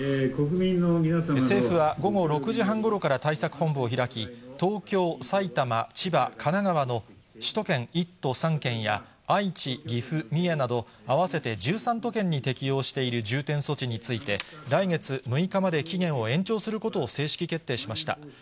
政府は午後６時半ごろから対策本部を開き、東京、埼玉、千葉、神奈川の首都圏１都３県や愛知、岐阜、三重など合わせて１３都県に適用している重点措置について、来月６日まで期限を延長することを正式決定しました。